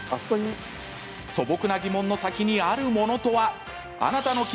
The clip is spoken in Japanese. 素朴な疑問の先にあるものとは。